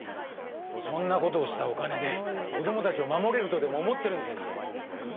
そんな事をしたお金で子どもたちを守れるとでも思ってるんですか？